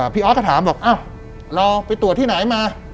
พี่ออสก็ถามบอกเราไปตรวจที่ไหนมา